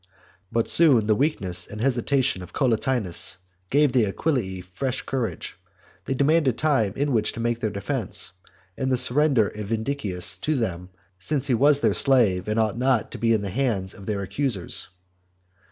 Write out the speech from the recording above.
But soon the weakness and hesitation of Collatinus gave the Aquillii fresh courage ; they demanded time in which to make their defence, and the surrender of Vindicius to them, since he was their slave, and ought not to be in the hands of their accusers.